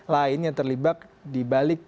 lain yang terlibat di balik